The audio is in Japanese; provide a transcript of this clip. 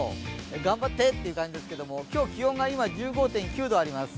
頑張ってという感じですけど、今日気温が１５．９度あります。